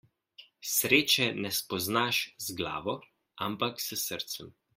Sreče ne spoznaš z glavo, ampak s srcem.